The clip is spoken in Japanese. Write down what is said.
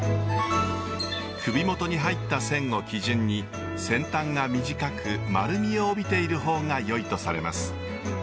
首元に入った線を基準に先端が短く丸みを帯びている方がよいとされます。